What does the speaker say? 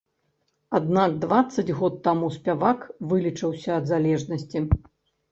Аднак дваццаць год таму спявак вылечыўся ад залежнасці.